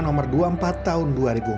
nomor dua puluh empat tahun dua ribu empat